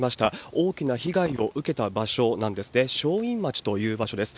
大きな被害を受けた場所なんですね、正院町という場所です。